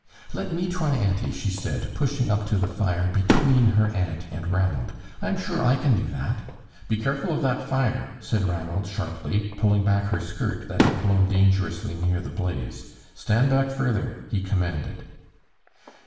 "Let me try, auntie," she said, pushing up to the fire between her aunt and Ranald. "I am sure I can do that." "Be careful of that fire," said Ranald, sharply, pulling back her skirt, that had blown dangerously near the blaze. "Stand back further," he commanded.